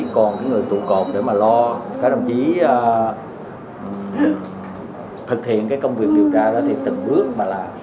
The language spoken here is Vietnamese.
còn cái người tụ cột để mà lo các đồng chí thực hiện cái công việc điều tra đó thì từng bước mà là